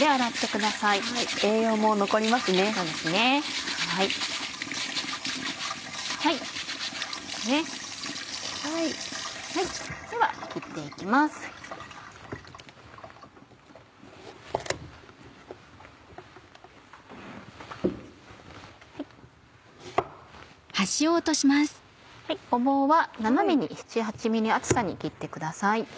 ごぼうは斜めに７８ｍｍ厚さに切ってください。